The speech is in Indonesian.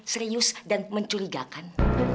serius dan mencurigakan